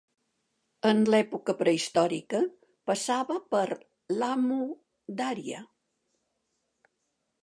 En l'època prehistòrica, passava per L'Amu Darya.